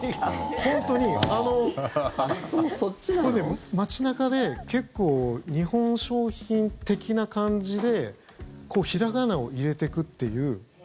本当に街中で結構、日本商品的な感じでひらがなを入れてくっていう。